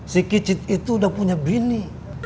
si kicit itu udah punya brini